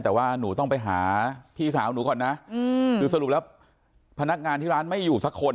แต่ว่าหนูต้องไปหาพี่สาวหนูก่อนนะคือสรุปแล้วพนักงานที่ร้านไม่อยู่สักคน